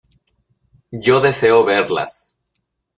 ¡ yo deseo verlas!